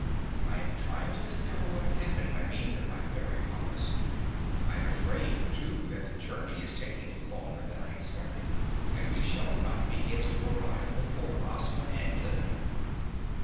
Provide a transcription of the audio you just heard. I am trying to discover what has happened by means of my fairy powers. I am afraid, too, that the journey is taking longer than I expected, and we shall not be able to arrive before Ozma and Glinda."